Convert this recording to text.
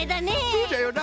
そうじゃよな！